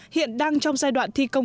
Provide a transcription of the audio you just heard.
hiện đang trong giai đoạn